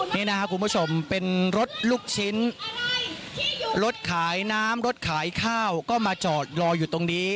นี่นะครับคุณผู้ชมเป็นรถลูกชิ้นรถขายน้ำรถขายข้าวก็มาจอดรออยู่ตรงนี้